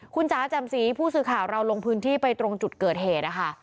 คุณจ๋าแจ่มสีผู้สื่อข่าวเราลงพื้นที่ไปตรงจุดเกิดเหตุนะคะ